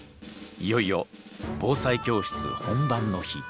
いよいよ防災教室本番の日。